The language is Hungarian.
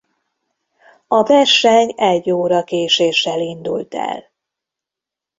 A verseny egy óra késéssel indult el.